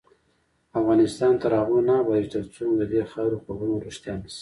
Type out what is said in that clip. افغانستان تر هغو نه ابادیږي، ترڅو مو ددې خاورې خوبونه رښتیا نشي.